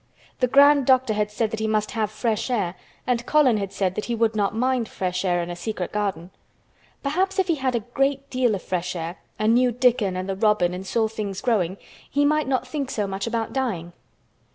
The grand doctor had said that he must have fresh air and Colin had said that he would not mind fresh air in a secret garden. Perhaps if he had a great deal of fresh air and knew Dickon and the robin and saw things growing he might not think so much about dying.